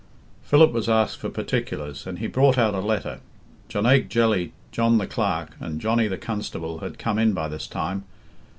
Philip was asked for particulars, and he brought out a letter. Jonaique Jelly, John the Clerk, and Johnny the Constable had come in by this time.